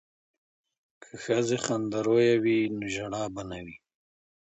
که ښځې خندرویه وي نو ژړا به نه وي.